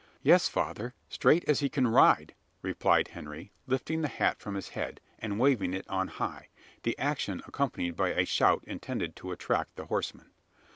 "Yes, father; straight as he can ride," replied Henry, lifting the hat from his head, and waving it on high: the action accompanied by a shout intended to attract the horseman.